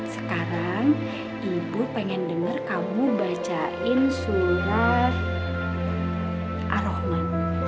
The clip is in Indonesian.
sekarang ibu pengen dengar kamu bacain surat ar rahman